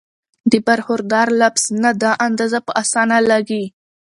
د برخوردار لفظ نه دا اندازه پۀ اسانه لګي